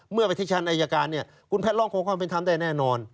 เมื่อไปที่ชั้นอายการเนี่ยคุณแพทย์ร้องขอความเป็นธรรมได้แน่นอน